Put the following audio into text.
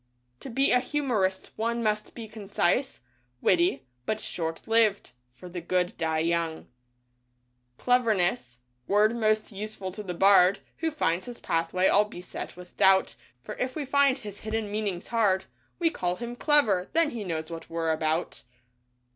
To be a humorist one must be concise, witty, but short lived, for the good die young. Cleverness — word most useful to the Bard Who finds his pathway all beset with doubt, For if we find his hidden meanings hard, We call him "clever" — then he knows what we're about.